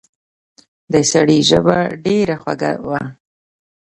د سړي ژبه ډېره خوږه وه.